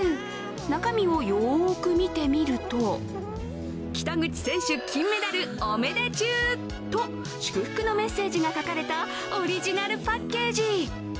中身をよーく見てみると北口選手金メダルオメデチュウ！と祝福のメッセージが書かれたオリジナルパッケージ。